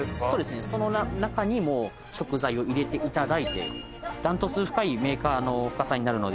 その中にもう食材を入れていただいて断トツ深いメーカーの深さになるので。